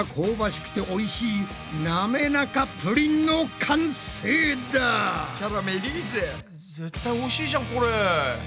絶対おいしいじゃんこれ！